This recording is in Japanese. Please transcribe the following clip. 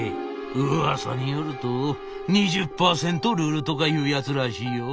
「うわさによると２０％ルールとかいうやつらしいよ」。